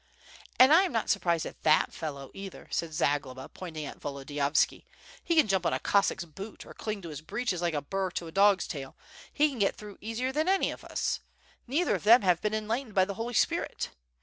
"And I am not surprised at that fellow, either," said Zag loba, pointing at Volodiyovski; "he can jump on a Cossack's boot or cling to his breeches like a burr to a dog's tail; he can get through easier than any of us. Neither of them have been enlightened by the Holy Spirit.